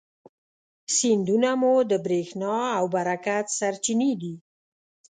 سیندونه مو د برېښنا او برکت سرچینې دي.